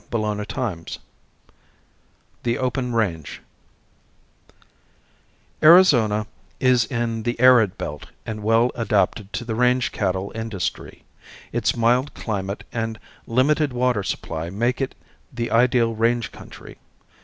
CHAPTER III THE OPEN RANGE Arizona is in the arid belt and well adapted to the range cattle industry. Its mild climate and limited water supply make it the ideal range country.